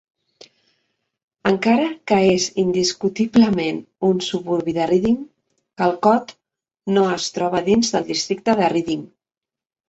Encara que és indiscutiblement un suburbi de Reading, Calcot no es troba dins del districte de Reading.